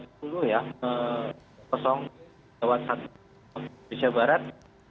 kota sukabumi jawa tengah indonesia barat